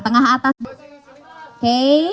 tengah atas oke